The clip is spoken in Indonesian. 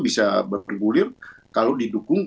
bisa bergulir kalau didukung